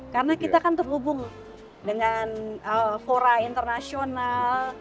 karena kita kan terhubung dengan fora internasional